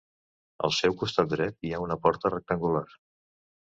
Al seu costat dret hi ha una porta rectangular.